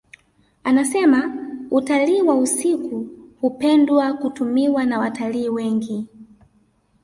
Anasema utalii wa usiku hupendwa kutumiwa na watalii wengi